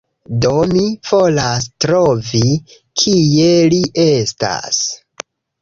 Do, mi volas trovi... kie li estas